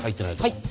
はい。